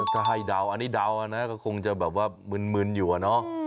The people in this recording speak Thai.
ใช่ดาวน์อันนี้ดาวน์ก็คงจะมืนอยู่เนาะ